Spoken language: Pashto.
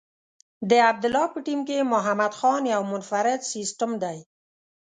د عبدالله په ټیم کې محمد خان یو منفرد سیسټم دی.